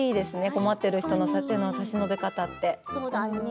困っている人への手の差し伸べ方って。